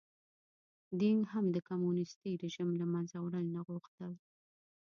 دینګ هم د کمونېستي رژیم له منځه وړل نه غوښتل.